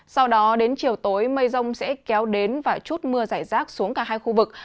sau đó đến chiều tối mây rông sẽ kéo đến và chút mưa giải rác xuống cả hai khu vực